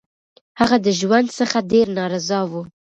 هغه د ژوند څخه ډير نا رضا وو